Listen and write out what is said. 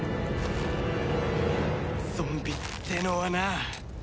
ゾンビってのはな